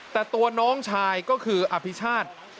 แต่ตัวน้องชายก็คืออภิชาติ